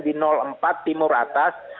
di empat timur atas